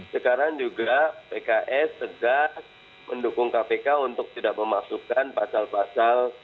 sekarang juga pks tegas mendukung kpk untuk tidak memasukkan pasal pasal